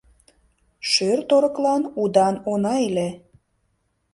Шӧр-торыклан удан она иле.